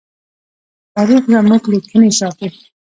تاریخ زموږ لیکنې ساتي.